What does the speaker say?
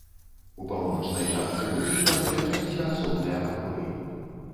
У паўночнай частцы будынка размяшчаліся асобныя пакоі.